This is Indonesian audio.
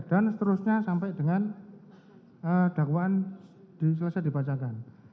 dan seterusnya sampai dengan dakwaan selesai dibacakan